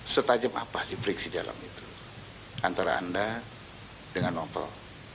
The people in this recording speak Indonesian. setajam apa sih friksi dalam itu antara anda dengan novel